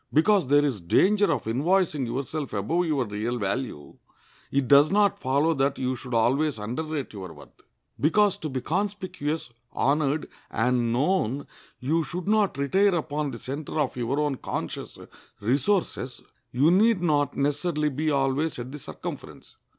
Because there is danger of invoicing yourself above your real value, it does not follow that you should always underrate your worth. Because to be conspicuous, honored, and known you should not retire upon the center of your own conscious resources, you need not necessarily be always at the circumference.